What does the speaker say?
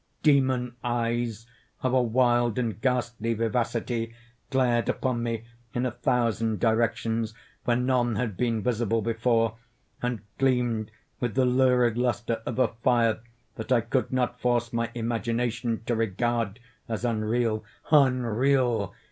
Demon eyes, of a wild and ghastly vivacity, glared upon me in a thousand directions, where none had been visible before, and gleamed with the lurid lustre of a fire that I could not force my imagination to regard as unreal. _Unreal!